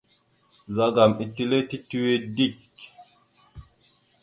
Ɓəzagaam etelle tituwe dik.